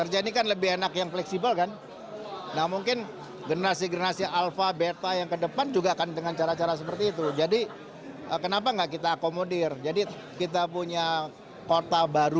jadi bisa fleksibel dalam hal untuk pekerjaannya